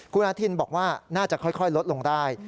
ครูนาธินตร์บอกว่าน่าจะค่อยลดลงได้